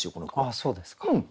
あっそうですか。